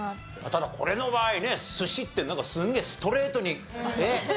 ただこれの場合ね寿司ってなんかすげえストレートに。